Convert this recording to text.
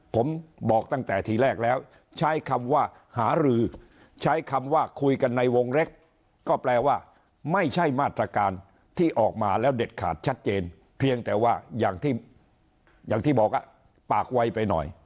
ผมบอกตั้งแต่ทีแรกแล้วใช้คำว่าหารือใช้คำว่าคุยกันในวงเล็กก็แปลว่าไม่ใช่มาตรการที่ออกมาแล้วเด็ดขาดชัดเจนเพียงแต่ว่าอย่างที่อย่างที่บอกปากไวไปหน่อย